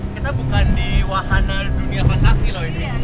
kita bukan di wahana dunia fantasti loh ini